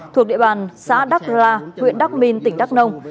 thuộc địa bàn xã đắc la huyện đắc minh tỉnh đắc nông